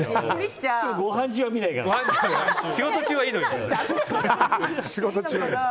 ごはん中は見ないから。